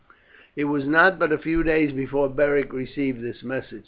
It was but a few days before Beric received this message.